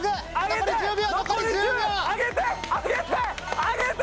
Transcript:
残り１０秒残り１０秒上げて！